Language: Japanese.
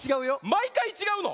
まいかいちがうの？